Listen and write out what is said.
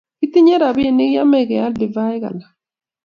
kitiye ropinik cheemei keal divaik alak